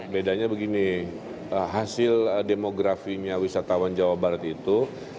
bedanya begini hasil demografinya wisatawan jawa barat itu